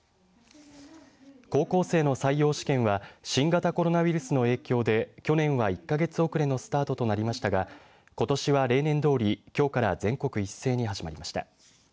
高校生の採用試験は新型コロナウイルスの影響で去年は１か月遅れのスタートとなりましたが、ことしは例年どおり、きょうから全国一斉に始まりました。